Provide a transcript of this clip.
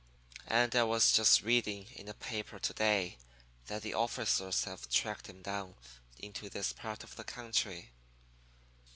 'And I was just reading in a paper to day that the officers have tracked him down into this part of the country.